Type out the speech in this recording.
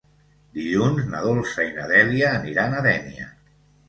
Dilluns na Dolça i na Dèlia aniran a Dénia.